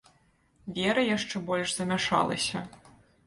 Вера яшчэ больш замяшалася.